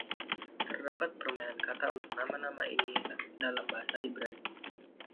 Terdapat permainan kata untuk nama-nama ini dalam bahasa Ibrani.